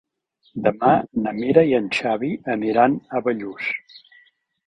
Demà na Mira i en Xavi aniran a Bellús.